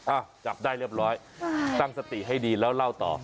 อ่ะจับได้เรียบร้อยตั้งสติให้ดีแล้วเล่าต่อ